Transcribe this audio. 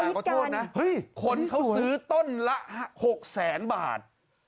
ก็โทษนะคนเขาซื้อต้นละ๖๐๐๐๐๐บาท